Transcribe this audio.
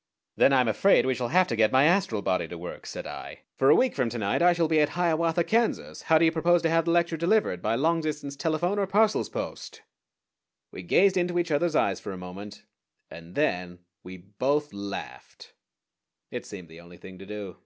_" "Then I am afraid we shall have to get my astral body to work," said I; "for a week from to night I shall be at Hiawatha, Kansas. How do you propose to have the lecture delivered by long distance telephone, or parcels post?" We gazed into each other's eyes for a moment, and then we both laughed. It seemed the only thing to do.